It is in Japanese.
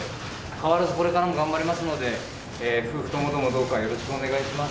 変わらずこれからも頑張りますので、夫婦ともどもどうかよろしくお願いします。